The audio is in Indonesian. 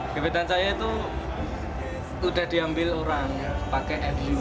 gebetan saya itu udah diambil orang pake fu